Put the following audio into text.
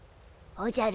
おじゃる！